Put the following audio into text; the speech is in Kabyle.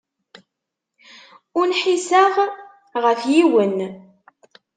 Ur nḥiseɣ ɣef yiwen!